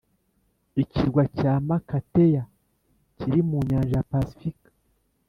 Ikirwa cya Makatea kiri mu nyanja ya Pasifika